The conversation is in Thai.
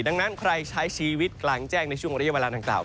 ดังนั้นใครใช้ชีวิตกลางแจ้งในช่วงระยะเวลาดังกล่าว